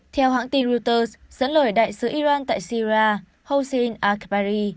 theo hãng tin reuters dẫn lời đại sứ iran tại syria hossein akbari